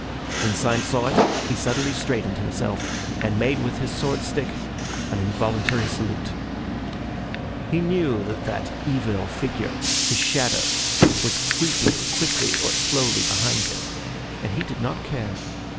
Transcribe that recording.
When Syme saw it he suddenly straightened himself, and made with his sword stick an involuntary salute. He knew that that evil figure, his shadow, was creeping quickly or slowly behind him, and he did not care.